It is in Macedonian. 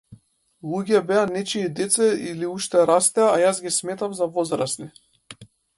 Луѓе беа нечии деца или уште растеа, а јас ги сметав за возрасни.